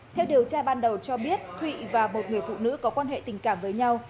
theo điều tra ban đầu cho biết thụy và một người phụ nữ có quan hệ tình cảm với nhau